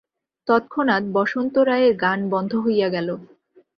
তৎক্ষণাৎ বসন্ত রায়ের গান বন্ধ হইয়া গেল।